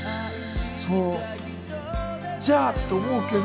じゃあって思うけど。